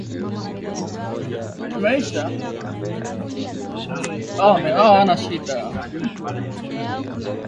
kondoo na mbuzi Nguruwe hunya virusi zaidi kuliko ng'ombe kondoo au mbuzi